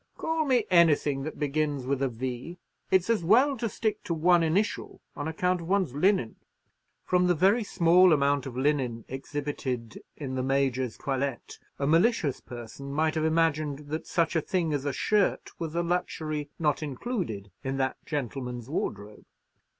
Call me anything that begins with a V. It's as well to stick to one initial, on account of one's linen." From the very small amount of linen exhibited in the Major's toilette, a malicious person might have imagined that such a thing as a shirt was a luxury not included in that gentleman's wardrobe.